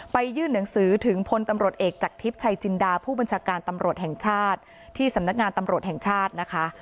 ยื่นหนังสือถึงพลตำรวจเอกจากทิพย์ชัยจินดาผู้บัญชาการตำรวจแห่งชาติที่สำนักงานตำรวจแห่งชาตินะคะ